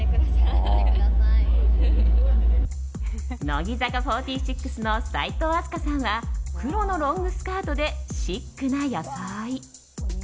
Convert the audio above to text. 乃木坂４６の齋藤飛鳥さんは黒のロングスカートでシックな装い。